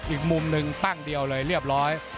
อีกมุมหนึ่งตั้งเดียวเลยเรียบร้อย